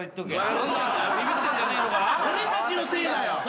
俺たちのせいだよ。